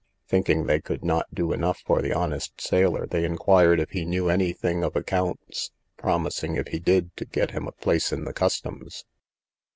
Thinking they could not do enough for the honest sailor, they inquired if he knew any thing of accounts; promising, if he did, to get him a place in the customs.